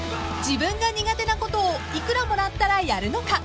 ［自分が苦手なことを幾らもらったらやるのか？］